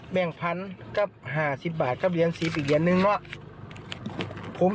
ผมขี้รถไปแล้วหา๖กิโลครับพี่น้อง